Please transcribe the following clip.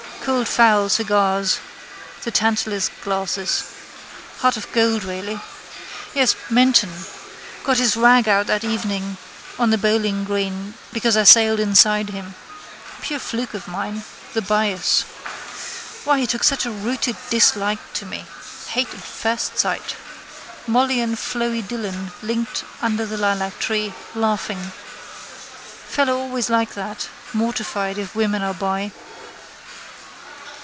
Cold fowl, cigars, the Tantalus glasses. Heart of gold really. Yes, Menton. Got his rag out that evening on the bowlinggreen because I sailed inside him. Pure fluke of mine: the bias. Why he took such a rooted dislike to me. Hate at first sight. Molly and Floey Dillon linked under the lilactree, laughing. Fellow always like that, mortified if women are by.